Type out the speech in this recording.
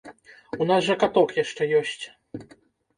У нас жа каток яшчэ ёсць!